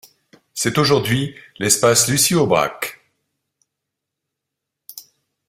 C'est aujourd'hui l'espace Lucie Aubrac.